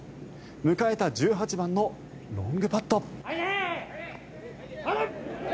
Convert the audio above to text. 迎えた１８番のロングパット。